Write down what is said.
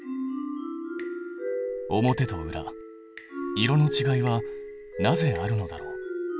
表と裏色のちがいはなぜあるのだろう？